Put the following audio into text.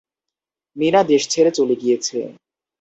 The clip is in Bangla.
মিনা দেশ ছেড়ে চলে গিয়েছে।